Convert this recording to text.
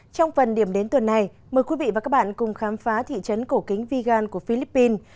trong phần điểm đến tuần này mời quý vị và các bạn cùng khám phá thị trấn cổ kính vigan của philippines